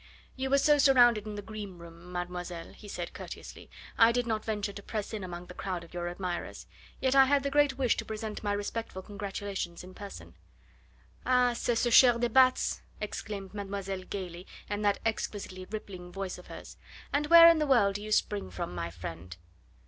"You were so surrounded in the green room, mademoiselle," he said courteously, "I did not venture to press in among the crowd of your admirers. Yet I had the great wish to present my respectful congratulations in person." "Ah! c'est ce cher de Batz!" exclaimed mademoiselle gaily, in that exquisitely rippling voice of hers. "And where in the world do you spring from, my friend?